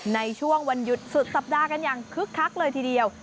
ในช่วงวันหยุดสุดสัปดาห์กันอย่างคึกคักเลยทีเดียว